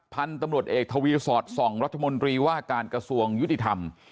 พันธุ์ตำรวจเอกทวีสอดส่องรัฐมนตรีว่าการกระทรวงยุติธรรม